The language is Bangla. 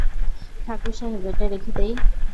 ঠাকুর সাহেব, এটা রেখে দেই?